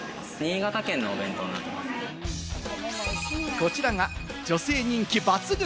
こちらが女性人気抜群。